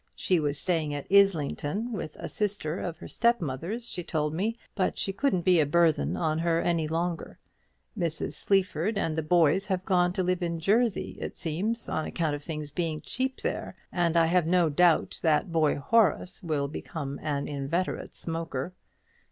She was staying at Islington with a sister of her step mother's, she told me; but she couldn't be a burthen on her any longer. Mrs. Sleaford and the boys have gone to live in Jersey, it seems, on account of things being cheap there; and I have no doubt that boy Horace will become an inveterate smoker.